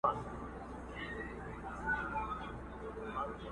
o د خپل کور پير سړي ته نه معلومېږي٫